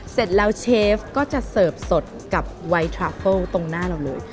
เสร็จแล้วเชฟก็จะเสิร์ฟสดกับไวทราเฟิลตรงหน้าเราเลย